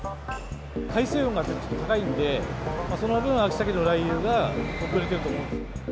海水温がちょっと高いんで、その分、秋サケの来遊が遅れていると思います。